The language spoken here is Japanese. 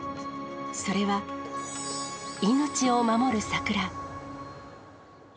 それは命を守る桜。